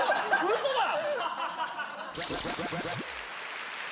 うそだ！